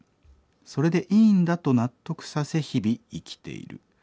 それでいいんだと納得させ日々生きている。